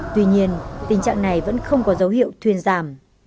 tuy nhiên tình trạng này vẫn không có dấu hiệu thuyên giảm